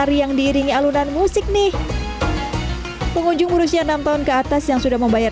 hari yang diiringi alunan musik nih pengunjung berusia enam tahun ke atas yang sudah membayar